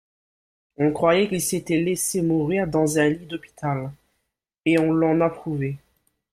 On croyait qu'il s'etait laisse mourir dans un lit d'hôpital, et on l'en approuvait.